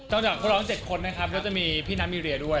ต้องเจอกับทุกร้องเจ็ดคนแล้วจะมีพี่นัทมีเรียด้วย